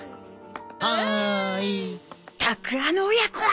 ったくあの親子は！